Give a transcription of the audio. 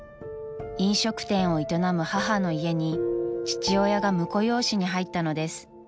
［飲食店を営む母の家に父親が婿養子に入ったのです］